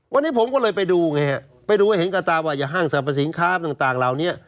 วันนี้ผมก็เลยไปดูไงไปดูเห็นกระตาวัยห้างสรรพสินค้าต่างเหล่านี้